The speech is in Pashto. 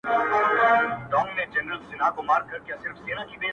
• خوله مي لوگی ده تر تا گرانه خو دا زړه ؛نه کيږي؛